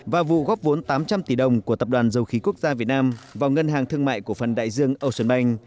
và vụ góp vốn tám trăm linh tỷ đồng của tập đoàn dầu khí quốc gia việt nam vào ngân hàng thương mại cổ phần đại dương ocean bank